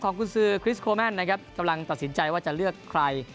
กุญซือคริสโคแมนนะครับกำลังตัดสินใจว่าจะเลือกใคร